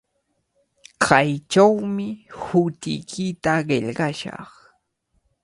Kaychawmi hutiykita qillqashaq.